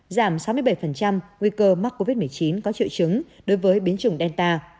giảm sáu mươi bảy nguy cơ mắc covid một mươi chín có triệu chứng đối với biến chủng delta